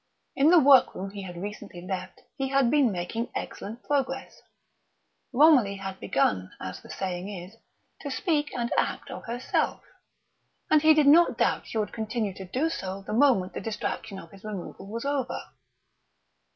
In the workroom he had recently left he had been making excellent progress; Romilly had begun, as the saying is, to speak and act of herself; and he did not doubt she would continue to do so the moment the distraction of his removal was over.